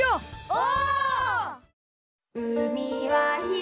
お！